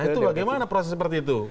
itu bagaimana proses seperti itu